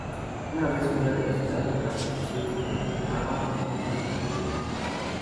Una vez fuera de la ciudad, la procesión se transformaba en romería.